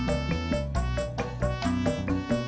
saya juga nggak bisa kerja cepat